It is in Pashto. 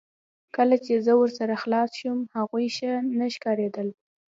کله چې زه ورسره خلاص شوم هغوی ښه نه ښکاریدل